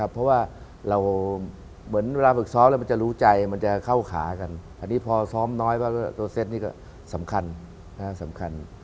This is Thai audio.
เพราะว่าเราเหมือนเวลาฝึกซ้อมแล้วมันจะรู้ใจมันจะเข้าขากันอันนี้พอซ้อมน้อยก็ตัวเซ็ตนี่ก็สำคัญสำคัญ